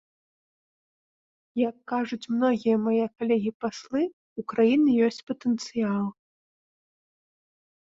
Як кажуць многія мае калегі-паслы, у краіны ёсць патэнцыял.